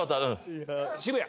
渋谷。